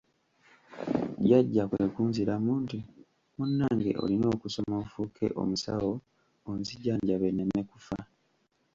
Jjajja kwe kunziramu nti: "Munnange olina okusoma ofuuke omusawo onzijanjabe nneme kufa."